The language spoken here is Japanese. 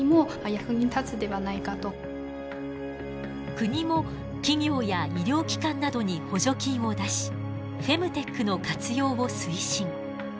国も企業や医療機関などに補助金を出しフェムテックの活用を推進。